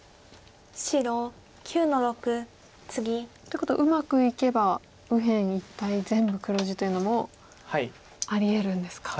ということはうまくいけば右辺一帯全部黒地というのもありえるんですか。